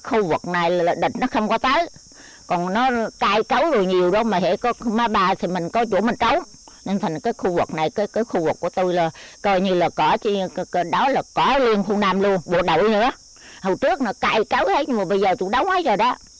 hồi trước nó cãi cấu hết nhưng bây giờ cũng đóng hết rồi đó